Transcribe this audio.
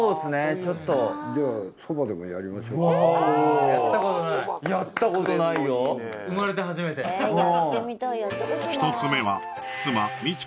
ちょっとじゃあそばでもやりましょうかおおやったことない１つ目は妻・道子さん